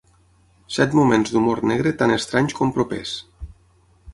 Set moments d’humor negre tan estranys com propers.